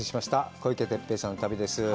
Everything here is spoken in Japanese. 小池徹平さんの旅です。